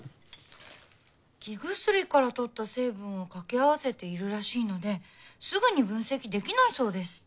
生薬からとった成分をかけあわせているらしいのですぐに分析できないそうです。